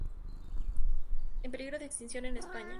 En peligro de extinción en España.